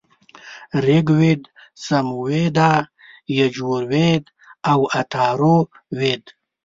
ریګ وید، سمویدا، یجوروید او اتارو وید -